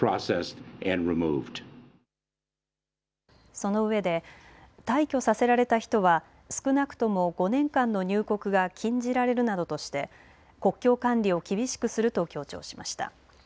そのうえで退去させられた人は少なくとも５年間の入国が禁じられるなどとして国境管理を厳しくすると強調しました。